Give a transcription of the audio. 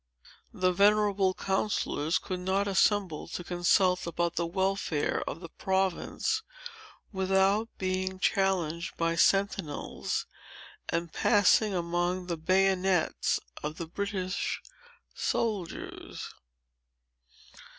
The venerable counsellors could not assemble to consult about the welfare of the province, without being challenged by sentinels, and passing among the bayonets of the British soldiers.